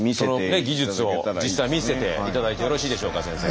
その技術を実際見せて頂いてよろしいでしょうか先生。